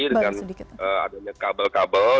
dengan adanya kabel kabel